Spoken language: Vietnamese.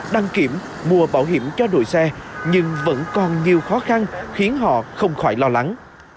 đăng kiểm mua bảo hiểm cho đội xe nhưng vẫn còn nhiều khó khăn khiến họ không khỏi lo lắng